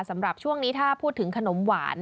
สำหรับช่วงนี้ถ้าพูดถึงขนมหวาน